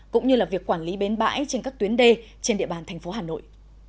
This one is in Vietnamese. cũng như là việc quản lý bến bãi trên các tuyến đê trên địa bàn thành phố hà nội